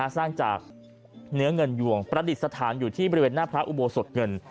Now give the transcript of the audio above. สร้างจากเนื้อเงินยวงประดิษฐานอยู่ที่บริเวณหน้าพระอุโบสถเงิน